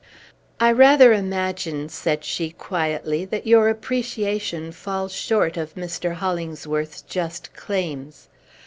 "I rather imagine," said she quietly, "that your appreciation falls short of Mr. Hollingsworth's just claims.